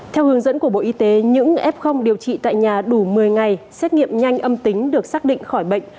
theo hướng dẫn của bộ y tế những f điều trị tại nhà đủ một mươi ngày xét nghiệm nhanh âm tính được xác định khỏi bệnh